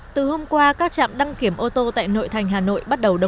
từ hôm qua các trạm đăng kiểm ô tô tại nội thành hà nội